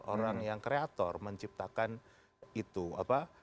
orang yang kreator menciptakan itu apa